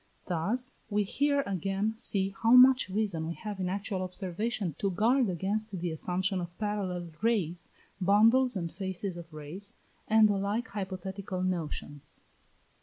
Thus we here again see how much reason we have in actual observation to guard against the assumption of parallel rays, bundles and fasces of rays, and the like hypothetical notions.